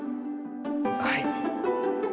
はい。